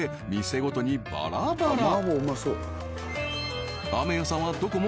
店ごとにバラバラ